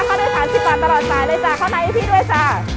เข้าในภารกิจกรรมตลอดใจเลยจ้ะเข้าในอีพี่ด้วยจ้ะ